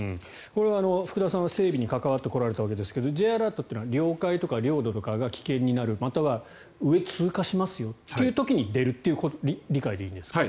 これは福田さんは整備に関わってこられたわけですがＪアラートというのは領海とか領土とかが危険になるまたは上を通過しますという時に出るという理解でいいんですか？